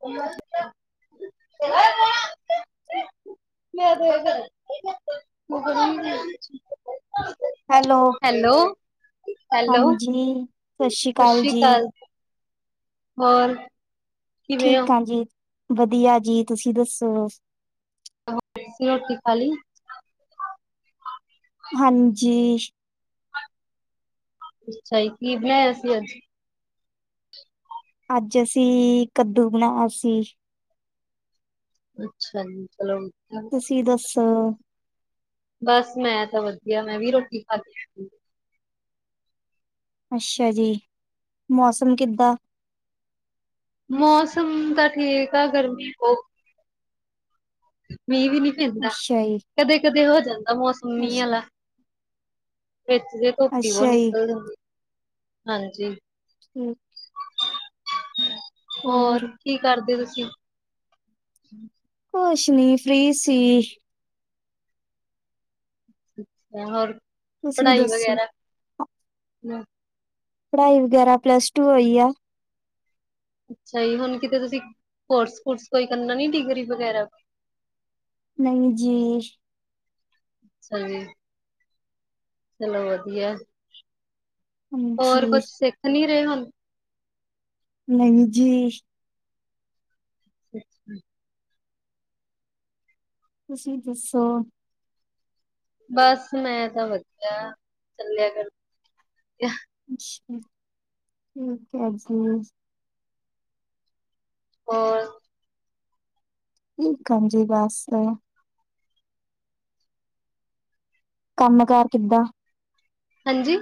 [unintelligible] ਮੈਂ hello, [unintelligible] hello hello, ਹਾਂਜੀ, ਸਤਿ ਸ਼੍ਰੀ ਸਸ ਅਕਾਲ ਸ੍ਰੀ ਜੀ, ਕਾਲ ਹੋਰ ਕਿਵੇਂ ਹੋ ਠੀਕ ਆ ਜੀ, ਵਧੀਆ ਜੀ, ਤੁਸੀਂ ਦੱਸੋ। ਤੁਸੀ ਰੋਟੀ ਖਾਲੀ। ਹਾਂਜੀ ਅੱਛਾ ਜੀ, ਕੀ ਬਣਾਇਆ ਸੀ ਅੱਜ? ਅੱਜ ਅਸੀਂ ਕੱਦੂ ਬਣਾਇਆ ਸੀ। ਅੱਛਾ ਜੀ, ਚਲੋ। ਤੁਸੀਂ ਦੱਸੋ? ਬਸ ਮੈਂ ਤਾਂ ਵਧੀਆ ਮੈਂ ਵੀ ਰੋਟੀ ਖਾਦੀ। ਅੱਛਾ ਜੀ ਮੌਸਮ ਕਿੱਦਾਂ? ਮੌਸਮ ਤਾਂ ਠੀਕ ਆ, ਗਰਮੀ ਬਹ ਮੀਂਹ ਵੀ ਨੀ ਪੈਂਦਾ ਅੱਛਾ ਜੀ। ਕਦੇ-ਕਦੇ ਹੋ ਜਾਂਦਾ ਮੌਸਮ ਮੀਂਹ ਅੱਛ ਆਲਾ। ਵਿੱਚ ਦੇ ਧੁਪੀ ਉਹ ਅੱਛਾ ਜੀ, ਨਿਕਲ ਜਾਂਦੀ, ਹਾਂਜੀ। ਹੂੰ ਹੋਰ ਕੀ ਕਰਦੇ ਤੁਸੀਂ। ਕੁਸ਼ ਨੀ ਫ੍ਰੀ ਸੀ। ਹੋਰ ਤੁਸੀਂ ਪੜ੍ਹਾਈ ਦੱਸੋ? ਵਗੈਰਾ ਪੜ੍ਹਾਈ ਵਗੈਰਾ ਪਲੱਸ ਟੂ ਹੋਈ ਆ। ਅੱਛਾ ਜੀ ਹੁਣ ਕਿਤੇ ਤੁਸੀਂ ਕੋਰਸ ਕੁਰਸ ਕੋਈ ਕਰਨਾ ਨੀ ਡਿਗਰੀ ਵਗੈਰਾ। ਨਈ ਜੀ। ਸਹੀ ਚਲੋ ਵਧੀਆ, ਹਾਂਜੀ, ਹੋਰ ਕੁਛ ਸਿੱਖ ਨੀ ਰਹੇ ਹੁਣ। ਨਈ ਜੀ। [unintelligible] ਤੁਸੀਂ ਦੱਸੋ। ਬਸ ਮੈਂ ਤਾਂ ਵਧੀਆ, ਚੱਲਿਆ ਕਰ ਧੀਆ। ਅੱਛਾ ਠੀਕ ਹੈ ਜੀ। ਹੋਰ ਠੀਕ ਆ ਜੀ ਬਸ। ਕੰਮ ਕਾਰ ਕਿੱਦਾਂ? ਹਾਂਜੀ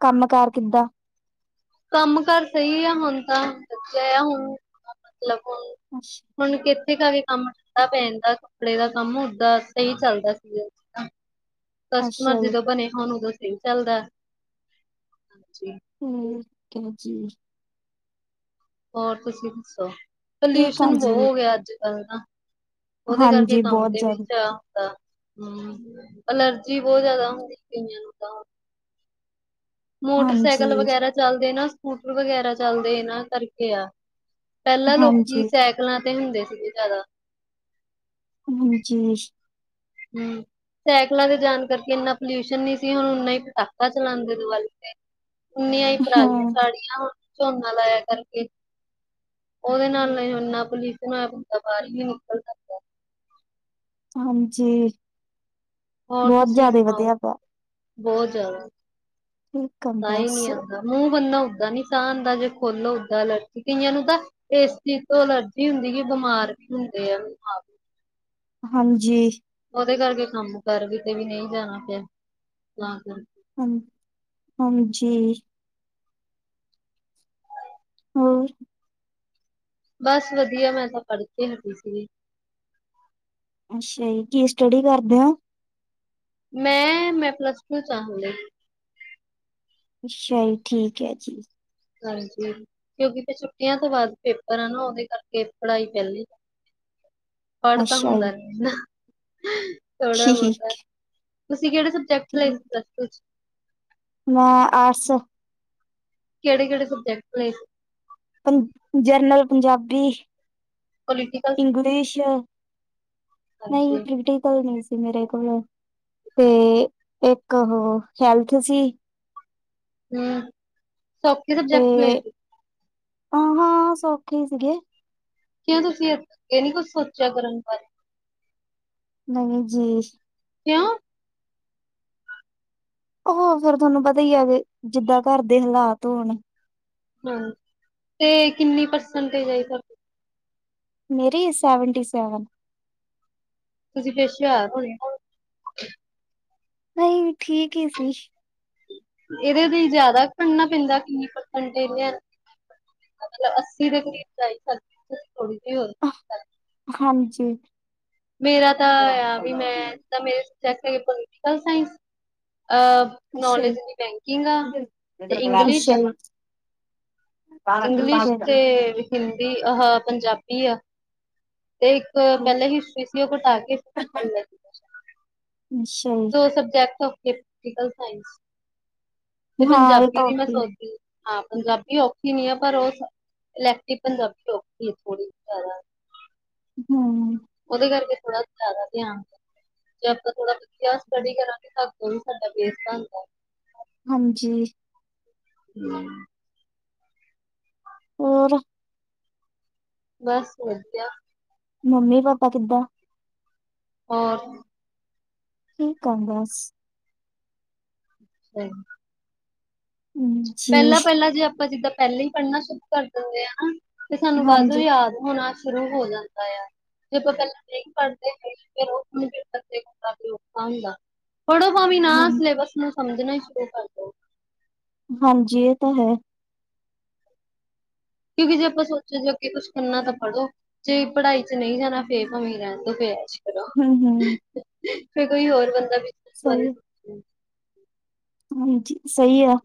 ਕੰਮ ਕਾਰ ਕਿੱਦਾਂ? ਕੰਮ ਕਾਰ ਸਹੀ ਆ ਹੁਣ ਤਾ [unintelligible] ਆ ਹੁਣ ਮਤਲਬ ਹੁਣ ਅੱਛ ਹੁਣ ਕਿੱਥੇ ਕਾ ਕੇ ਕੰਮ ਠਂਢਾ ਪੈ ਜਾਂਦਾ, ਕੱਪੜੇ ਦਾ ਕੰਮ ਓਦਾਂ ਸਹੀ ਚੱਲਦਾ ਸੀਗਾ। ਅੱਛਾ ਕਸਟਮਰ ਜਦੋਂ ਬਣੇ ਹੋਣ ਉਦੋਂ ਸਹੀ ਚੱਲਦਾ। ਹੂੰ ਕ ਜੀ। ਹੋਰ ਤੁਸੀਂ ਦੱਸੋ, ਠੀਕ ਆ ਪਲਿਊਸ਼ਨ ਬਹੁਤ ਜੀ ਹੋ ਗਿਆ ਅੱਜ ਕੱਲ ਨਾ। ਉਹਦੇ ਕਰਕੇ ਹਾਂਜੀ ਕੰਮ ਬਹੁਤ ਦੇ ਵੀ ਜ਼ਿਆਦਾ ਜਾ ਹੁੰਦਾ ਹਮ ਅਲਰਜੀ ਬੌਤ ਜਾਦਾ ਹੁੰਦੀ। ਕਈਆ ਨੂੰ ਤਾਂ ਹਾਂਜੀ ਮੋਟਰਸਾਈਕਲ ਵਗੈਰਾ ਚੱਲਦੇ, ਨਾ ਸਕੂਟਰ ਵਗੈਰਾ ਚੱਲਦੇ ਇਹਨਾਂ ਕਰਕੇ ਆ ਪੈਲਾਂ ਲੋਕੀ ਹਾਂਜੀ ਸੈਕਲਾਂ ਤੇ ਹੁੰਦੇ ਸੀਗੇ ਜ਼ਿਆਦਾ ਹਾਂਜੀ ਹਮ ਸੈਕਲਾਂ ਤੇ ਜਾਣ ਕਰਕੇ ਇੰਨਾ ਪੋਲਿਊਸ਼ਨ ਨਹੀਂ ਸੀ ਹੁਣ ਓਨਾ ਹੀ ਪਟਾਕਾ ਚਲਾਂਦੇ ਦ ਵਲ ਗ ਉਨੀਆਂ ਹੀ ਪਰਾਲੀਆਂ ਹਾਂ ਸਾੜੀਆਂ ਹੁਣ ਝੋਨਾ ਲਾਇਆ ਕਰਕੇ ਉਹਦੇ ਨਾਲ ਨਾ ਪੁਲਿਊਸ਼ਨ ਹੋਇਆ ਬੰਦਾ ਬਾਹਰ ਨ ਨਿਕਲ ਸਕਦਾ ਹਾਂਜੀ ਬੋਤ ਜਿਆਦਾ ਵਧੀਆ ਪਿਆ ਬੋਤ ਜ਼ਿਆਦਾ ਠੀਕ ਆ ਤਾਂ ਹੀ ਬਸ ਨਹੀਂ ਆਂਦਾ ਮੂੰਹ ਬੰਨੋ ਓਦਾਂ ਨੀ ਸਾਹ ਆਦਾ ਜੇ ਖੋਲੋ ਓਦਾਂ ਲਰਜੀ ਕਈਆਂ ਨੂੰ ਤਾਂ ਇਸ ਚੀਜ਼ ਤੋਂ ਅਲਰਜੀ ਹੁੰਦੀ ਕਿ ਬਿਮਾਰ ਕੀ ਹੁੰਦੇ ਆਾਂ ਹਾਂਜੀ ਉਹਦੇ ਕਰਕੇ ਕੰਮ ਕਰ ਕਿਤੇ ਵੀ ਨਹੀਂ ਜਾਣਾ ਪਿਆ ਤਾਂ ਕਰ ਹ ਹਜੀ ਹੋਰ ਬਸ ਵਧੀਆ ਮੈਂ ਤਾਂ ਪੜ੍ਹ ਕੇ ਹਟੀ ਸੀਗੀ ਅੱਛਾ ਜੀ ਕੀ ਸਟੱਡੀ ਕਰਦੇ ਹੋ ਮੈਂ ਮੈਂ ਪਲੱਸ ਟੂ ਚਾਂਹਾਲੇ ਅੱਛਾ ਜੀ ਠੀਕ ਹੈ ਜੀ ਹਾਂਜੀ ਕਿਉਂਕਿ ਫ ਛੁੱਟੀਆਂ ਤੋਂ ਬਾਅਦ ਪੇਪਰ ਆ ਨਾ ਉਹਦੇ ਕਰਕੇ ਪੜ੍ਹਾਈ ਪੈਲੀ ਪੜ੍ਹ ਤਾਂ ਅੱਛਾ ਹੁੰਦਾ ਨੀ ਇੰਨਾ ਥੋੜਾ ਜੀ ਬੋਤਾ ਤੁਸੀਂ ਕਿਹੜੇ ਸਬਜੈਕਟ ਲ ਏ ਠੀਕ ਪਲੱ ਸ ਟੂ ਚ ਮੈਂ ਆਰਟਸ ਕਿਹੜ ਕਿਹੜੇ ਸਬਜਕਟ ਲੇ ਸੀ ਪੰ general Punjabi political English science ਨਹੀਂ ਹਾਂਜੀ ਪ੍ਰਟੀਕਲ ਨਹੀਂ ਮੇਰੇ ਕੋਲ ਤੇ ਇੱਕ ਉਹ ਹੈਲਥ ਸੀ ਹਮ ਤੇ ਆਹ ਹਾਂ ਸੌਖੇ ਸੀਗੇ ਕਿਉਂ ਤੁਸੀਂ ਇਹ ਨੀ ਕੁੱਝ ਸੋਚਿਆ ਕਰਨ ਬਾਰੇ ਨਹੀਂ ਜੀ ਕਿਉਂ ਉਹ ਫੇਰ ਤੁਹਾਨੂੰ ਪਤਾ ਹੀ ਆ ਕਿ ਜਿੱਦਾਂ ਘਰ ਦੇ ਹਾਲਾਤ ਹੋਣ ਹਾਂਜੀ ਤੇ ਕਿੰਨੀ ਪਰਸੈਂਟੇਜ ਆ ਮੇਰੀ ਸੈਵਨਟੀ ਸੈਵਨ ਤੁਸੀਂ ਫੇਰ ਸ਼ਿਆ ਰ ਹੋਣੇ ਨਹੀਂ ਠੀਕ ਹੀ ਸੀ ਇਹਦੇ ਲਈ ਜਿਆਦਾ ਪੜਨਾ ਪੈਂਦਾ ਕਿੰਨੀ ਪਰਸੈਂਟ ਇਹਦੇ ਮਤ ਅੱਸੀ ਦੇ ਕਰੀਬ ਜਾਈਦਾ ਸੀ ਥੋੜੀ ਜੀ ਹੋਰ ਹਾਂਜੀ ਮੇਰਾ ਤਾਂ ਆ ਵੀ ਮੈਂ ਤਾਂ ਮੇਰੇ ਸਬਜੈਕਟ ਹੈਗੇ ਪੋਲੀਟੀਕਲ ਸਾਇੰਸ ਅਹ ਅੱਛਾ ਜੀ ਅੱਛਾ ਨੋਲੇਜ ਜੀ ਬੈਂਕਿੰਗ ਆ ਠੀਕ ਤੇ ਹੈ ਇੰਗਲਿਸ਼ ਜੀ ਇੰਗਲਿਸ਼ ਤੇ ਹਿੰਦੀ ਆਹ ਪੰਜਾਬੀ ਆ ਤੇ ਇੱਕ ਪੈਲੇ ਹੀਸ਼ਟਰੀ ਸੀ ਓ ਕਟਾ ਕੇ ਜਈ ਦੋ ਸਬਜੈਕਟ ਓ ਪੁਲੀਟੀਕਲ ਸਾਇੰਸ ਤੇ ਹਾਂ ਇਹ ਪੰਜਾਬੀ ਤਾਂ ਵੀ ਮੈਂ ਔਖੀ ਸੋਚਦੀ ਹਾਂ ਪੰਜਾਬੀ ਔਖੀ ਨੀ ਆ ਪਰ ਓ ਇਲੈਕਟਿ ਪੰਜਾਬੀ ਔਖੀ ਥੋੜ੍ਹੀ ਜਾਦਾ ਹੂੰ ਉਹਦੇ ਕਰਕੇ ਥੋੜਾ ਜਾਦਾ ਧਿਆਨ ਜੇ ਆਪਾਂ ਥੋੜਾ ਵਧੀਆ ਸਟੱਡੀ ਕਰਾਂਗੇ ਤਦ ਵੀ ਸਾਡਾ ਬੇਸ ਬਣਦਾ। ਹਾਂਜੀ ਹੂੰ ਹੋਰ ਬਸ ਵਧੀਆ ਮੰਮੀ ਪਾਪਾ ਕਿੱਦਾਂ ਹੋਰ ਠੀਕ ਆ ਬਸ ਸਈ ਜੀ ਪੈਲਾਂ-ਪੈਲਾਂ ਜੇ ਆਪਾਂ ਜਿੱਦਾਂ ਪੈਲਾਂ ਹੀ ਪੜ੍ਹਨਾ ਸ਼ੁਰੂ ਕਰ ਦਿੰਦੇ ਆਂ। ਤੇ ਸਾਨੂੰ ਵਧ ਹਾਂਜੀ, ਵੀ ਯਾਦ ਹੋਣਾ ਸ਼ੁਰੂ ਹੋ ਜਾਂਦਾ ਆ। ਜੇ ਕੋਈ ਪੈਲਾਂ ਨਈ ਪੜ੍ਹਦੇ ਹੈਗੇ ਫਿਰ ਓ ਹੁਣ ਬੰਦੇ ਨੂੰ ਔਖਾ ਹੁੰਦਾ। ਪੜੋ ਭਾਵੇਂ ਨਾ ਹਾਂ, ਸਿਲੇਬਸ ਨੂੰ ਸਮਝਣਾ ਹੀ ਸ਼ੁਰੂ ਕਰ ਦੋ। ਹਾਂਜੀ ਇਹ ਤਾਂ ਹੈ। ਕਿਉਂਕਿ ਜੇ ਆਪਾਂ ਸੋਚੋ ਜ ਅੱਗੇ ਕੁਛ ਕਰਨਾ ਤਾਂ ਪੜ੍ਹੋ। ਜੇ ਪੜ੍ਹਾਈ 'ਚ ਨਹੀਂ ਜਾਣਾ ਫੇ ਭਾਵੇਂ ਰੈਣ ਤੋਂ ਫਿਰ ਐ ਹੂੰ-ਹੂੰ ਫੇਰ ਕੋਈ ਹੋਰ ਬੰਦਾ ਵੀ ਸਈ ਹਾਂਜੀ ਸਈ ਆ।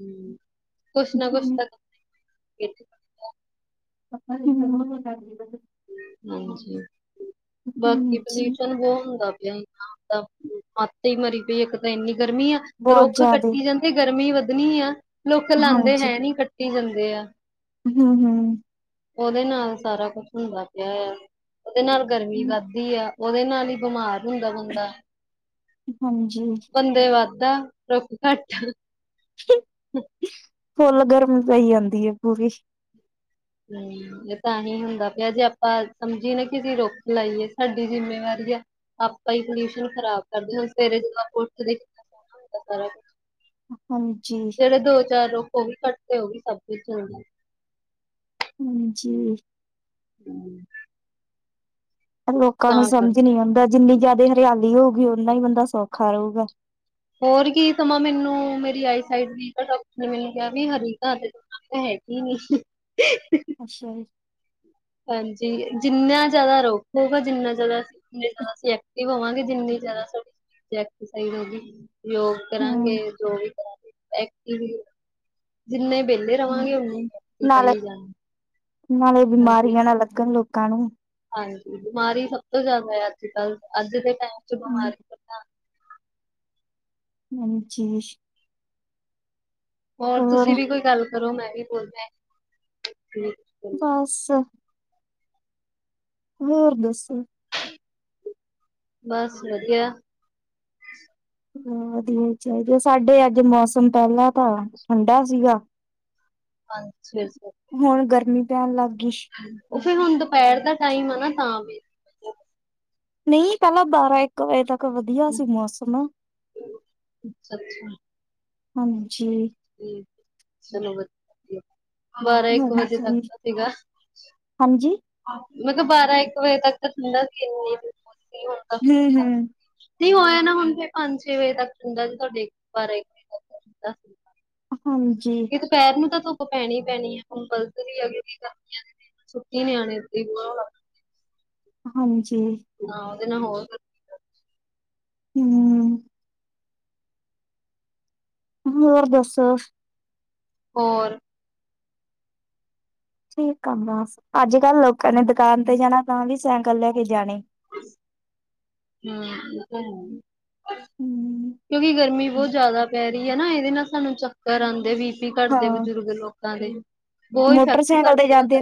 ਹੂੰ ਕੁਛ ਨਾ ਕੁਛ ਤਾਂ ਕਰਨਾ ਈ ਪੈਣਾ ਪਤਾ ਨਈ ਮੈਨੂੰ ਨੀ [unintelligible] ਹਾਂਜੀ ਬਾਕੀ ਪੋਲਿਊਸ਼ਨ ਬੋਤ ਹੁੰਦਾ ਪਿਆ। ਹ ਹੱਦ ਈ ਮਰੀ ਪਈ ਹੈ ਤਾਂ ਇੰਨੀ ਗਰਮੀ ਆ ਬਹੁਤ ਰੁੱਖ ਜ਼ਿਆਦੇ, ਕੱਟੀ ਜਾਂਦੀ ਗਰਮੀ ਵੱਧਣੀ ਆ ਰੁਖ ਲਾਂਦੇ ਹੈ ਨੀ ਕੱਟੀ ਜਾਂਦੇ ਆ। ਹੂੰ-ਹੂੰ ਉਹਦੇ ਨਾਲ ਸਾਰਾ ਕੁਛ ਹੁੰਦਾ ਪਿਆ ਆ ਉਹਦੇ ਨਾਲ ਗਰਮੀ ਵੱਧਦੀ ਆ। ਉਹਦੇ ਨਾਲ ਹੀ ਬਿਮਾਰ ਹੁੰਦਾ ਬੰਦਾ ਹਾਂਜੀ ਬੰਦੇ ਵੱਧ ਰੁੱਖ ਘੱਟ ਫੁੱਲ ਗਰਮ ਪਈ ਜਾਂਦੀ ਹੈ ਪੂਰੀ ਹੂੰ ਇਹ ਤਾਂ ਹੀ ਹੁੰਦਾ ਪਿਆ ਜੇ ਆਪਾਂ ਸਮਝੀਏ ਨਾ ਕਿ ਅਸੀਂ ਰੁੱਖ ਲਾਈਏ ਸਾਡੀ ਜਿੰਮੇਵਾਰੀ ਆ। ਆਪਾਂ ਹੀ ਪਲਿਊਸ਼ਨ ਖਰਾਬ ਕਰਦੇ ਹ ਸਵੇਰੇ ਜਦੋਂ ਆਪਾਂ ਉੱਠਦੇ ਕਿ [unintelligible] ਸਣਾ ਹੁੰਦਾ ਸਾਰਾ ਕੁ। ਹਾਂਜੀ ਦੋ ਚਾਰ ਰੁੱਖ ਹੋ ਵੀ ਘੱਟ ਤੇ ਹੋ ਵੀ ਸਭ ਕੁਛ ਚੱਲਦਾ। ਹਾਂਜੀ ਹੂੰ ਲੋਕਾਂ ਨੂੰ ਤਾਂ ਸਮਝ ਕਰਕੇ ਨੀ ਆਉਂਦਾ ਜਿੰਨੀ ਜਾਦਾ ਹਰਿਆਲੀ ਹੋਊਗੀ ਓਨਾ ਹੀ ਬੰਦਾ ਸੌਖਾ ਰਊਗਾ। ਹੋਰ ਕੀ ਸਮਾ ਮੈਨੂੰ ਮੇਰੀ ਆਈ ਸਾਈਡ ਵੀਕ ਆ, ਡਾਕਟਰ ਨੇ ਮੈਨੂੰ ਕਿਹਾ ਵਈ ਹਰੀ ਘਾਹ ਤੇ ਹੈ ਕੀ ਆ ਅੱਛਾ ਜੀ। ਹਾਂਜੀ। ਜਿੰਨਾ ਜਿਆਦਾ ਰੋਕੋਗੇ- ਜਿੰਨਾ ਜਿਆਦਾ ਓਨੇ ਜਿਆਦਾ ਅਸੀਂ ਐਕਟਿਵ ਹੋਵਾਂਗੇ, ਜਿੰਨੀ ਜ਼ਿਆਦਾ ਸਾਡੇ ਸਰੀਰ ਦੀ ਏਕਸਰਸਾਈਸ ਹੋੋਓਗੀ, ਯੋਗ। ਕਰਾਂਗੇ ਹੂੰ, ਜੋ ਵੀ ਕਰਾਂਗੇ ਐਕਟਿਵ ਜਿੰਨੇ ਰਵਾਗੇ ਹੂੰ ਓਹਨੇ ਕੀ ਨਾਲੇ ਕਹੀ ਜਾ। ਨਾਲੇ ਬਿਮਾਰੀਆਂ ਨਾ ਲੱਗਣ ਲੋਕਾਂ ਨੂੰ। ਹਾਂਜੀ ਬਿਮਾਰੀ ਸਭ ਤੋਂ ਜ਼ਿਆਦਾ ਆ, ਅੱਜ- ਕੱਲ, ਅੱਜ ਦੇ ਟਾਈਮ ਚ ਹੂੰ, ਬਿਮਾਰੀ ਪੇਹਲਾ। ਹਾਂਜੀ। ਹੋਰ ਤੁਸੀਂ ਵੀ ਕੋਈ ਗੱਲ ਕਰੋ ਮੈਂ ਹੀ ਬੋਲਦਾ। ਬਸ। ਹੋਰ ਦੱਸੋ। ਬਸ ਵੱਧੀਆ। ਵ ਵੱਧੀਆ ਚਾਹੀਦਾ, ਸਾਡੇ ਅੱਜ ਮੌਸਮ ਪਹਿਲਾ ਤਾਂ ਠੰਡਾ ਸੀਗਾ ਪੰਜ- ਛੇ ਸੋ। ਹੁਣ ਗਰਮੀ ਪੈਣ ਲੱਗ ਗਈ। ਓਹ ਫੇਰ ਹੁਣ ਦੁਪਹਿਰ ਦਾ ਟਾਈਮ ਆ ਨਾ, ਤਾਂ ਵੀ, ਨਹੀਂ ਪਹਿਲਾਂ ਬਾਰਾ-ਇੱਕ ਇਕ ਵਜੇ ਤੱਕ ਵਧੀਆ ਸੀ ਮੌਸਮ ਅੱਛਾ ਹਾਂਜੀ। ਹਾਂਜੀ ਚਲੋ ਵੱਧੀਆ, ਬਾਰਾਂ ਇੱਕ ਵਜੇ ਤੱਕ ਹਾਂਜੀ ਤਾਂ ਸੀਗਾ। ਹਾਂਜੀ ਮੈ ਕੇਆ ਬਾਰਾਂ ਇੱਕ ਵਜੇ ਤੱਕ ਤਾਂ ਠੰਡਾ ਸੀ। ਹਮ ਹਮ ਨਹੀਂ ਹੋ ਜਾਣਾ ਹੁਣ ਫੇਰ ਪੰਜ ਛੇ ਵਜੇ ਤੱਕ ਠੰਢਾ, ਜੇ ਤੁਹਾਡੇ ਬਾਰਾ-ਇੱਕ ਵਜੇ ਤੱਕ ਠੰਢਾ, ਹਾਂਜੀ। ਦੁਪਹਿਰ ਨੂੰ ਤਾਂ ਧੁੱਪ ਪੈਣੀ- ਪੈਣੀ ਆ, ਕੰਪਲਸਰੀ ਹੈਗੀ ਕੀ ਕਰਨੀਆ ਛੁੱਟੀਆ ਚ ਨਿਆਣੇ ਏਦਾ ਈ ਹਾਂਜੀ। ਨਾ ਉਹਦੇ ਨਾ ਹੋ ਹਮ ਹੋਰ ਦੱਸੋ। ਹੋਰ ਠੀਕ ਆ ਬਸ, ਅੱਜ -ਕੱਲ੍ਹ ਲੋਕਾਂ ਨੇ ਦੁਕਾਨ ਤੇ ਜਾਣਾ ਤਾਂ ਵੀ ਸੈਂਕਲ ਲੈ ਕੇ ਜਾਣੇ। ਹਮ ਇਹ ਤਾਂ ਹਮ ਕਿਉਂਕਿ ਗਰਮੀ ਬਹੁਤ ਜ਼ਿਆਦਾ ਪੈ ਰਹੀ ਹੈ ਨਾ, ਇਹਦੇ ਨਾਲ ਸਾਨੂੰ ਚੱਕਰ ਆਂਦੇ ਵੀ, ਬੀਪੀ ਘੱਟਦੇ ਹਾਂ ਬਜ਼ੁਰਗ ਲੋਕਾਂ ਦੇ, ਓ, ਈ ਇਫੈਕਟ ਮੋਟਰਸਾਈਕਲ ਤੇ ਕਰਦੀ ਨਾ ਜਾਂਦੇ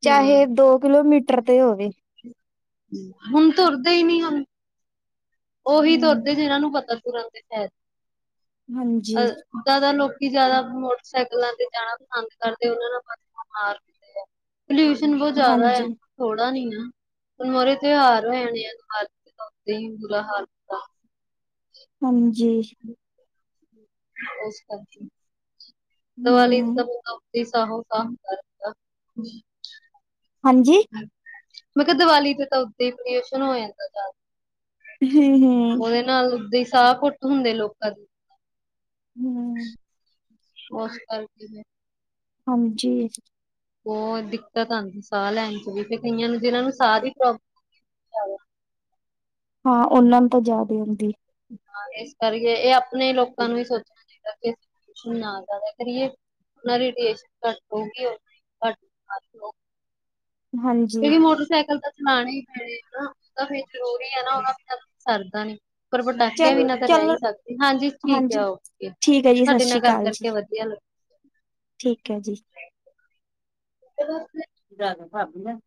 ਚਾਹੇ ਹੂੰ ਦੋ ਕਿਲੋਮੀਟਰ ਤੇ ਹੋਵੇ। ਹੁਣ ਤੁਰਦੇ ਹੀ, ਨੀ, ਹੁਣ ਓਹੀ ਹਮ ਤੁਰਦੇ ਜਿਹਨਾਂ ਨੂੰ ਪਤਾ ਤੁਰਨ ਦੇ ਫਾਇਦੇ, ਹਾਂਜੀ। ਜਾਦਾ ਲੋਕੀ ਜ਼ਾਦਾ ਮੋਟਰਸਾਈਕਲਾਂ ਤੇ ਜਾਣਾ ਪਸੰਦ ਕਰਦੇ ਉਹਨਾ ਨਾਲ ਬਾਰ ਪੋਲਿਊਸ਼ਨ ਬੋਤ ਜਾਦਾ ਹਾਂਜੀ, ਆ। ਥੋੜਾ ਨੀ ਆ, ਹੁਣ ਮੋਰੇ ਤਿਉਹਾਰ ਹੋਣੇ ਆ, ਹਾਲਦੇ ਹੀ ਬੁਰਾ ਹਾਲ ਹੁੰਦਾ ਹਾਂਜੀ ਇਸ ਕਰਕੇ ਹੂੰ, [unintelligible] [inaudible] ਹਾਂਜੀ? ਮੈਂ ਕਿਆ ਦੀਵਾਲੀ ਤੇ ਤਾਂ ਓਦਾਂ ਹੀ ਪਲਿਊਸ਼ਨ ਹੋ ਜਾਂਦਾ ਜਾਦਾ ਹੂੰ-ਹੂੰ। ਓਹਦੇ ਨਾਲ ਦੀ ਸਾਹ ਘੁੱਟ ਹੁੰਦੇ ਲੋਕਾਂ ਦੀ ਹੂੰ ਓਸ ਕਰਕੇ ਹਾਂਜੀ ਓਹ ਦਿੱਕਤ ਆਂਦੀ ਸਾਹ ਲੈਣ ਚ ਵੀ ਫਿਰ ਕਈਆਂ ਨੂੰ ਜਿਹਨਾਂ ਨੂੰ ਸਾਹ ਦੀ ਪ੍ਰੋਬਲਮ ਹਾਂ, ਓਹਨਾਂ ਨੂੰ ਤਾਂ ਜਿਆਦਾ ਓਨਦੀ ਹਾਂ ਇਸ ਕਰਏ ਏਹ ਆਪਣੇ ਲੋਕਾਂ ਨੂੰ ਵੀ ਸੋਚਣਾ [inaudible] ਚਾਹੀਦਾ ਕਿਸੀ ਨਾ ਜਾਦਾ ਕਰੀਏ। ਨਾ ਰੇਡੀਏਸ਼ਨ ਘੱਟ ਹੋਗੀ ਹੋਣੀ, ਘੱਟ ਅੱਠ-ਨੌ ਨੇ ਹਾਂਜੀ। ਕਿਉਕਿ ਮੋਟਰਸਾਈਕਲ ਤਾਂ ਚਲਾਣੇ ਹੀ ਪੈਣੇ ਨ ਨਾ ਉਹ ਤਾਂ ਫੇਰ ਜ਼ਰੂਰੀ ਹੈ ਨਾ ਉਦਾ ਸਰਦਾ ਨੀ। ਪਰ ਪਟਾਕਿਆਂ ਚੱਲ, ਬਿਨਾਂ ਤਾਂ ਰਹਿ ਹੀ ਚੱਲ, ਸਕਦੇ ਹਾਂਜੀ ਠੀਕ ਏ ਹਾਂਜੀ, ਓਕੇ ਠੀਕ ਹੈ ਜੀ, ਸਤਿ ਤੁਹਾਡੇ ਨਾਲ ਸ੍ਰੀ ਗੱਲ ਅਕਾਲ ਜੀ, ਕਰਕੇ ਵਧੀਆ ਲੱਗਾ। ਠੀਕ ਹੈ ਜੀ ਬ [unintelligible] ਜ਼ਿਆਦਾ [inaudible] ਨਾ